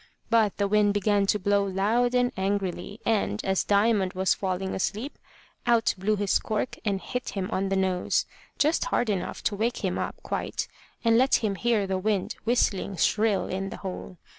But the wind began to blow loud and angrily, and, as Diamond was falling asleep, out blew his cork and hit him on the nose, just hard enough to wake him up quite, and let him hear the wind whistling shrill in the hole.